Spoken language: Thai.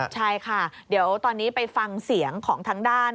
ใช่ค่ะเดี๋ยวตอนนี้ไปฟังเสียงของทางด้าน